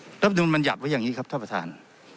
รัฐมนุนมันหยับไว้อย่างนี้ครับท่านประธาน